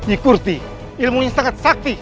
ikur sih ilmunya sangat sakti